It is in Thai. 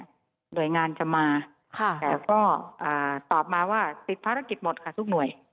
หน่วยงานจะมาแต่ก็ตอบมาว่าติดภารกิจหมดค่ะทุกหน่วย